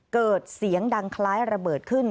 เกิดเสียงดังคล้ายระเบิดขึ้น